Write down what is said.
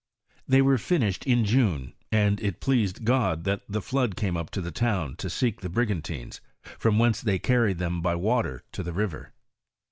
They were finished in June, and "it pleased God that the flood came up to the town to seek the brigantines, from whence they carried them by water to the river."